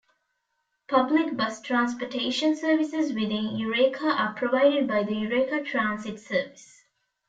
Public bus transportation services within Eureka are provided by the Eureka Transit Service.